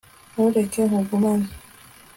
ntureke nkugumane